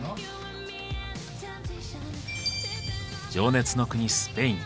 情熱の国スペイン。